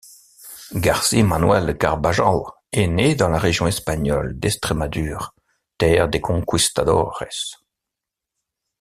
Garcí Manuel de Carbajal est né dans la région espagnole d'Estrémadure, terre des conquistadores.